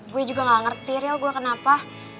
gue juga nggak ngerti riel gue kenapa